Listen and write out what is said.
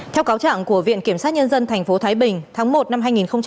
theo cáo trạng của viện kiểm soát nhân dân tp thái bình tháng một năm hai nghìn một mươi bảy